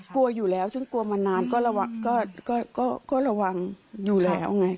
กลัวอยู่แล้วซึ่งกลัวมานานก็ระวังอยู่แล้วไง